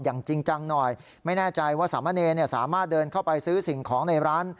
จริงจังหน่อยไม่แน่ใจว่าสามะเนรสามารถเดินเข้าไปซื้อสิ่งของในร้าน